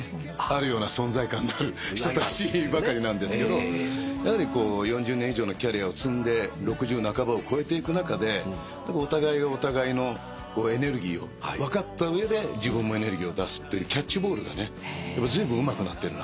あるような存在感のある人たちばかりなんですけどやはり４０年以上のキャリアを積んで６０半ばを越えていく中でお互いをお互いのエネルギーを分かった上で自分もエネルギーを出すっていうキャッチボールがねずいぶんうまくなってる。